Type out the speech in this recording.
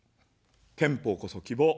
憲法こそ希望。